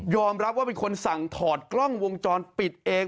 รับว่าเป็นคนสั่งถอดกล้องวงจรปิดเอง